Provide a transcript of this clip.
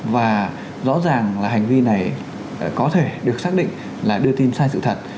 và rõ ràng là hành vi này có thể được xác định là đưa tin sai sự thật